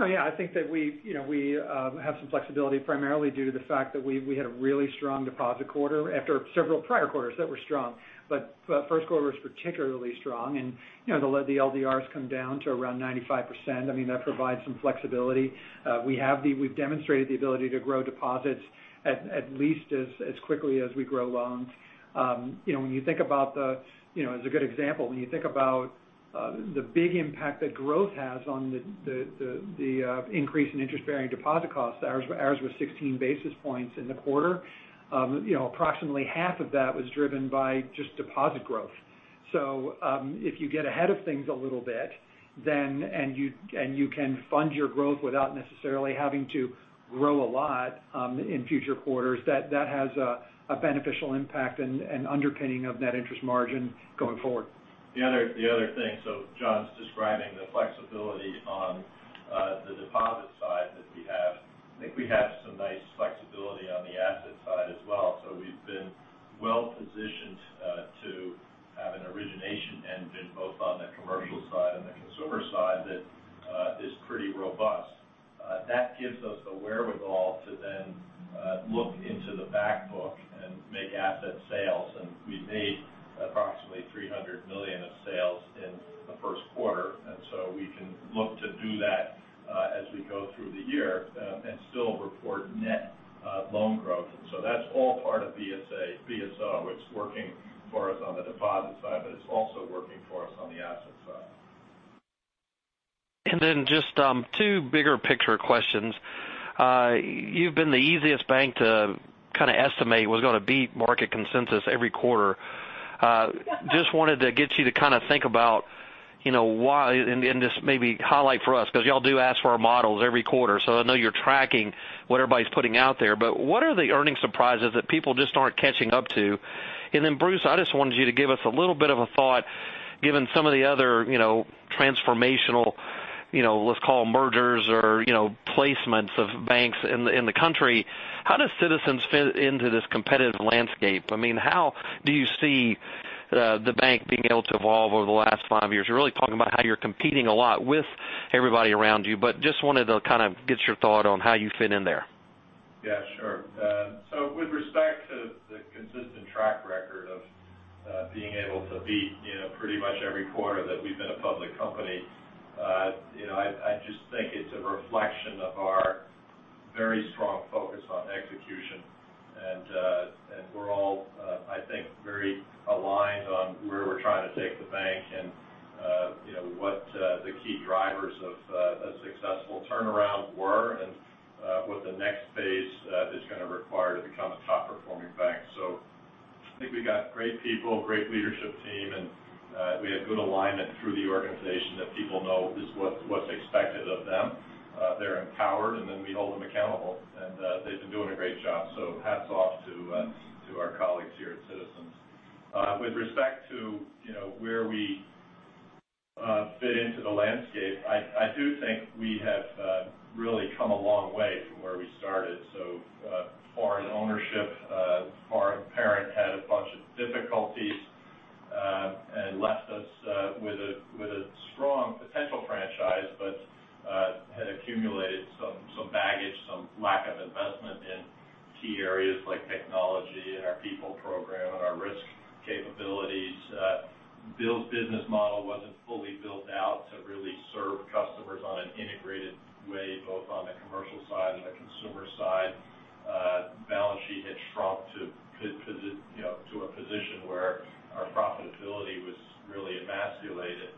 Oh, yeah. I think that we have some flexibility primarily due to the fact that we had a really strong deposit quarter after several prior quarters that were strong. First quarter was particularly strong, and the LDR has come down to around 95%. That provides some flexibility. We've demonstrated the ability to grow deposits at least as quickly as we grow loans. As a good example, when you think about the big impact that growth has on the increase in interest-bearing deposit costs, ours was 16 basis points in the quarter. Approximately half of that was driven by just deposit growth. If you get ahead of things a little bit and you can fund your growth without necessarily having to grow a lot in future quarters, that has a beneficial impact and underpinning of net interest margin going forward. The other thing, John's describing the flexibility on the deposit side that we have. I think we have some nice flexibility on the asset side as well. We've been well-positioned to have an origination engine both on the commercial side and the consumer side that is pretty robust. That gives us the wherewithal to then look into the back book and make asset sales, and we made approximately $300 million of sales in the first quarter. We can look to do that as we go through the year and still report net loan growth. That's all part of BSO. It's working for us on the deposit side, but it's also working for us on the asset side. Just two bigger picture questions. You've been the easiest bank to kind of estimate was going to beat market consensus every quarter. Just wanted to get you to kind of think about why, and just maybe highlight for us, because you all do ask for our models every quarter, so I know you're tracking what everybody's putting out there. What are the earning surprises that people just aren't catching up to? Bruce, I just wanted you to give us a little bit of a thought, given some of the other transformational, let's call them mergers or placements of banks in the country. How does Citizens fit into this competitive landscape? How do you see the bank being able to evolve over the last five years? You're really talking about how you're competing a lot with everybody around you, but just wanted to kind of get your thought on how you fit in there. Yeah, sure. With respect to the consistent track record of being able to beat pretty much every quarter that we've been a public company, I just think it's a reflection of our very strong focus on execution. We're all, I think, very aligned on where we're trying to take the bank and what the key drivers of a successful turnaround were and what the next phase is going to require to become a top-performing bank. I think we've got great people, great leadership team, and we have good alignment through the organization that people know what's expected of them. They're empowered, and then we hold them accountable, and they've been doing a great job. Hats off to our colleagues here at Citizens. With respect to where we fit into the landscape, I do think we have really come a long way from where we started. Foreign ownership, foreign parent had a bunch of difficulties. Left us with a strong potential franchise, but had accumulated some baggage, some lack of investment in key areas like technology and our people program and our risk capabilities. Bill's business model wasn't fully built out to really serve customers on an integrated way, both on the commercial side and the consumer side. Balance sheet had shrunk to a position where our profitability was really emasculated.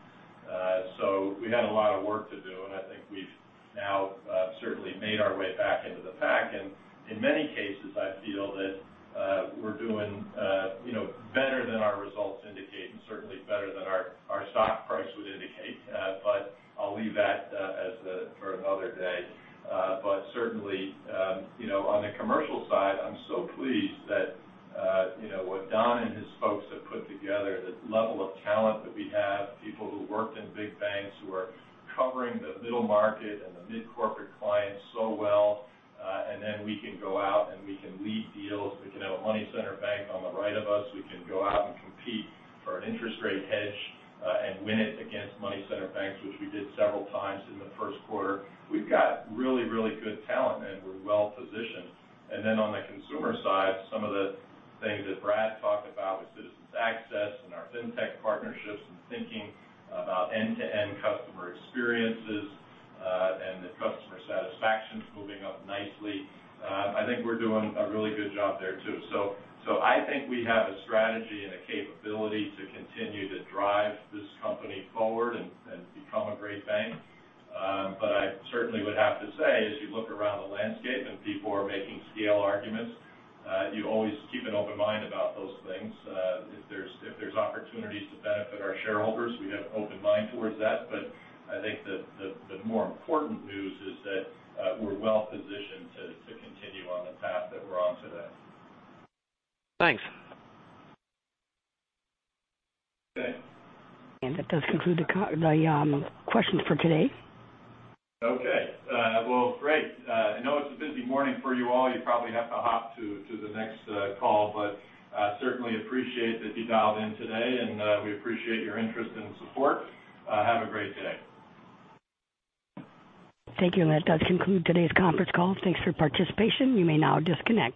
We had a lot of work to do, and I think we've now certainly made our way back into the pack. In many cases, I feel that we're doing better than our results indicate and certainly better than our stock price would indicate. I'll leave that for another day. Certainly, on the commercial side, I'm so pleased that what Don and his folks have put together, the level of talent that we have, people who worked in big banks who are covering the middle market and the mid-corporate clients so well. We can go out and we can lead deals. We can have a money center bank on the right of us. We can go out and compete for an interest rate hedge and win it against money center banks, which we did several times in the first quarter. We've got really, really good talent, and we're well positioned. Then on the consumer side, some of the things that Brad talked about with Citizens Access and our fintech partnerships and thinking about end-to-end customer experiences. The customer satisfaction's moving up nicely. I think we're doing a really good job there, too. I think we have a strategy and a capability to continue to drive this company forward and become a great bank. I certainly would have to say, as you look around the landscape and people are making scale arguments, you always keep an open mind about those things. If there's opportunities to benefit our shareholders, we have an open mind towards that. I think the more important news is that we're well positioned to continue on the path that we're on today. Thanks. Okay. That does conclude the questions for today. Okay. Well, great. I know it's a busy morning for you all. You probably have to hop to the next call, certainly appreciate that you dialed in today. We appreciate your interest and support. Have a great day. Thank you. That does conclude today's conference call. Thanks for participation. You may now disconnect.